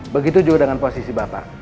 begitu juga dengan posisi bapak